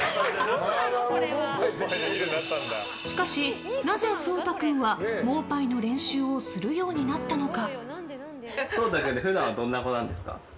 しかし、なぜ蒼太君は盲牌の練習をするようになったのか。